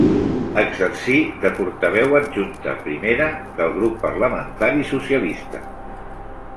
Exercí de portaveu adjunta primera del grup parlamentari socialista.